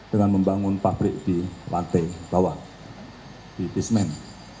dengan membangun pabrik di lantai bawah di pismen